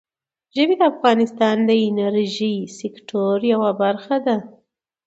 ژبې د افغانستان د انرژۍ سکتور یوه برخه ده.